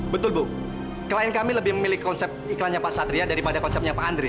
betul bu klien kami lebih memilih konsep iklannya pak satria daripada konsepnya pak andri